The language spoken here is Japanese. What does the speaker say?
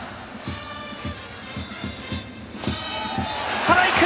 ストライク！